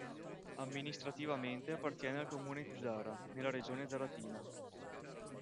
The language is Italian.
Amministrativamente appartiene al comune di Zara, nella regione zaratina.